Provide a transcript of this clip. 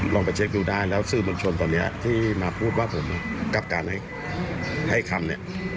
ลองไปเช็คดูได้แล้วสื่อมวลชนตอนนี้ที่มาพูดว่าผมกับการให้คำเนี่ย